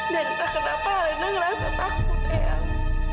dan tak kenapa alina ngerasa takut eang